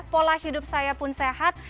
pola hidup saya pun sehat